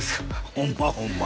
ホンマホンマ